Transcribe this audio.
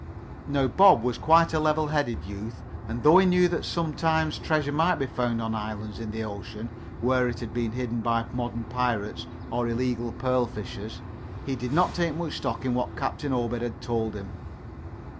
Now Bob was quite a level headed youth, and though he knew that sometimes treasure might be found on islands in the ocean, where it had been hidden by modern pirates or illegal pearl fishers, he did not take much stock in what Captain Obed had told him.